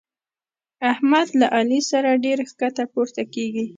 احمد له علي سره ډېره کښته پورته کېږي.